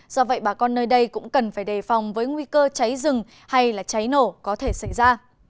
do vậy bà con nơi đây cũng cần phải đề phòng với nguy cơ cháy rừng hay cháy nổ có thể xảy ra